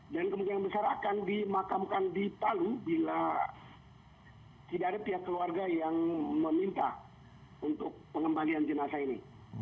dan kemungkinan besar akan dimakamkan di palu bila tidak ada pihak keluarga yang meminta untuk pengembalian jenazah ini